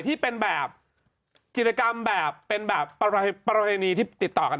ที่เป็นแบบจิตรกรรมแบบเป็นแบบประเวณีที่ติดต่อกัน